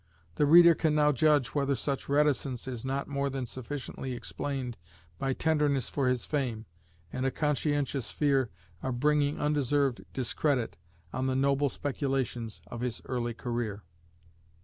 The reader can now judge whether such reticence is not more than sufficiently explained by tenderness for his fame, and a conscientious fear of bringing undeserved discredit on the noble speculations of his early career.